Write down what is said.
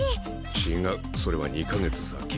違うそれは２か月先。